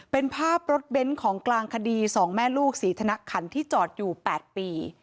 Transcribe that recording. เป็นภาพรถเบ้นของกลางคดี๒แม่ลูกศรีธนขันที่จอดอยู่๘ปี